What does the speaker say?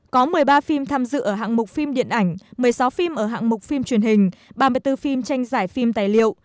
có một mươi ba phim tham dự ở hạng mục phim điện ảnh một mươi sáu phim ở hạng mục phim truyền hình ba mươi bốn phim tranh giải phim tài liệu